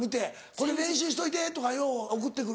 「これ練習しといて」とかよう送ってくる。